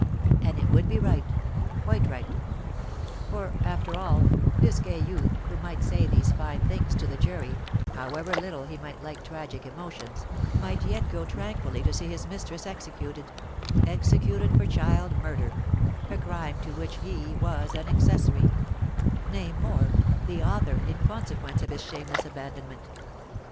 And it would be right, quite right; for, after all, this gay youth who might say these fine things to the jury, however little he might like tragic emotions, might yet go tranquilly to see his mistress executed, executed for child murder, a crime to which he was an accessory; nay more, the author, in consequence of his shameless abandonment!